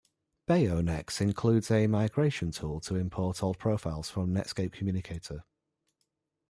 Beonex includes a migration tool to import old profiles from Netscape Communicator.